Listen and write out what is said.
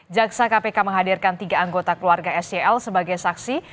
jaksa kpk menghadirkan tiga anggota keluarga sel sebagai saksi